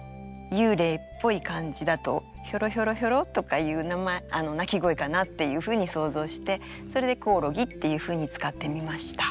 幽霊っぽい感じだとヒョロヒョロヒョロとかいう鳴き声かなっていうふうに想像してそれで「こおろぎ」っていうふうに使ってみました。